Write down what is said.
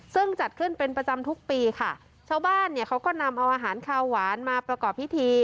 ซึ่งจัดขึ้นเป็นประจำทุกปีค่ะชาวบ้านเนี่ยเขาก็นำเอาอาหารคาวหวานมาประกอบพิธี